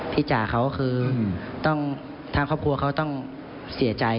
จ่าเขาคือต้องทางครอบครัวเขาต้องเสียใจ